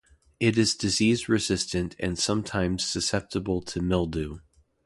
It is disease resistant and sometimes susceptible to mildew.